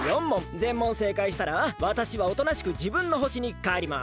ぜん問せいかいしたらわたしはおとなしくじぶんの星にかえります。